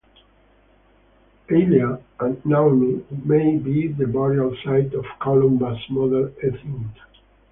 Eileach an Naoimh may be the burial site of Columba's mother Eithne.